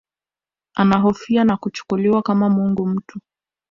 Anahofiwa na kuchukuliwa kama mungu mtu